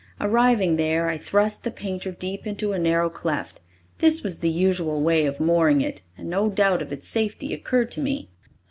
Arriving there, I thrust the painter deep into a narrow cleft. This was the usual way of mooring it, and no doubt of its safety occurred to me.